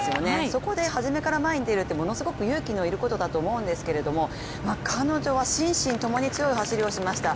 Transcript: そこではじめから前に出るってものすごく勇気のいることだと思うんですけれども彼女は心身共に強い走りをしました。